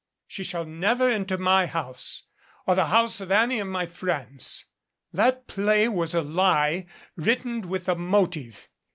She shall never enter my house, or the house of any of my 315 MADCAP friends. That play was a lie, written with a motive.